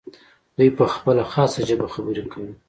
دوی په خپله خاصه ژبه خبرې کوي.